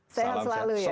sehat selalu ya